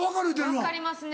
分かりますね。